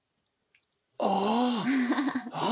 あ、あ。